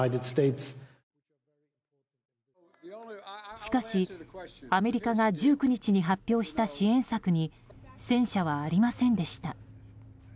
しかし、アメリカが１９日に発表した支援策に戦車はありませんでした。